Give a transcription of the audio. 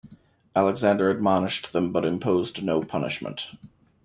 Alexander admonished them but imposed no punishment.